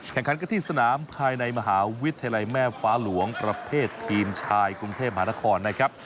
แข่งขันกันที่สนามภายในมหาวิทยาลัยแม่ฟ้าหลวงประเภททีมชายกรุงเทพมหานครนะครับ